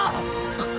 あっ！